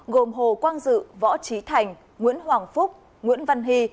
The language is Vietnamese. gồm hồ quang dự võ trí thành nguyễn hoàng phúc nguyễn văn hy